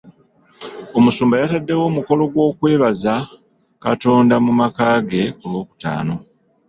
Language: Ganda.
Omusumba yataddewo omukolo gw'okwebaza Katonda mu maka ge kulwokutaano.